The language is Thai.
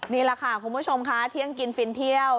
นี่แหละค่ะคุณผู้ชมค่ะเที่ยงกินฟินเที่ยว